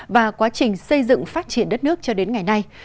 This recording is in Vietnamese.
và quá trình xây dựng phát triển đất nước cho đến ngày nay